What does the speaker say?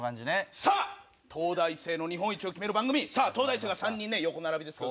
さあ、東大生の日本一を決める番組、さあ、東大生が３人ね、横並びですが。